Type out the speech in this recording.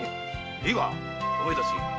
いいかお前たち。